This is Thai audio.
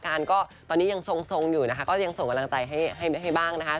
การก็ตอนนี้ยังทรงอยู่นะคะก็ยังส่งกำลังใจให้บ้างนะคะ